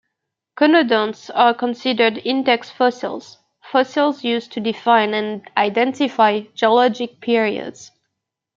Conodonts are considered index fossils, fossils used to define and identify geologic periods.